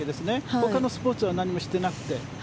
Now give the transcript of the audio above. ほかのスポーツは何もしてなくて？